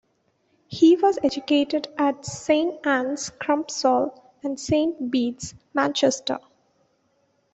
He was educated at St Anne's, Crumpsall, and St Bede's, Manchester.